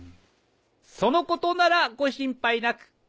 そのことならご心配なく。